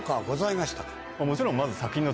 もちろんまず。